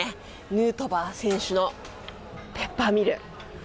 ヌートバー選手のペッパーミル。